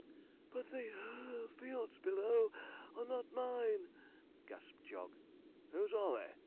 'But the (puff) fields below are not mine,' gasped Jog. 'Whose are they?'